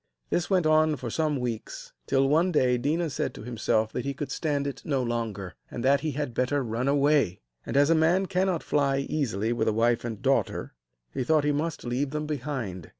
This went on for some weeks, till, one day, Déna said to himself that he could stand it no longer, and that he had better run away; and, as a man cannot fly easily with a wife and daughter, he thought he must leave them behind.